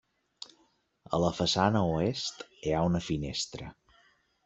A la façana Oest hi ha una finestra.